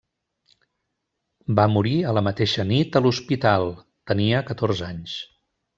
Va morir a la mateixa nit a l'hospital, tenia catorze anys.